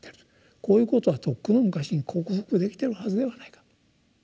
こういうことはとっくの昔に克服できてるはずではないかと。